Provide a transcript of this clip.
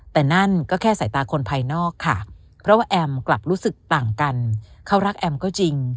แต่นั่นก็แค่สายตาคนภายนอกค่ะเพราะว่าแอมกลับรู้สึกต่างกันเขารักแอมก็จริง